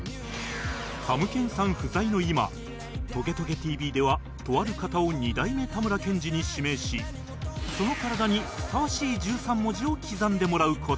たむけんさん不在の今『トゲトゲ ＴＶ』ではとある方を二代目たむらけんじに指名しその体にふさわしい１３文字を刻んでもらう事に